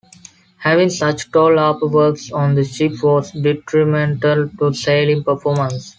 Having such tall upper works on the ship was detrimental to sailing performance.